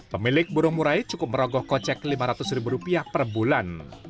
pemilik burung murai cukup merogoh kocek rp lima ratus per bulan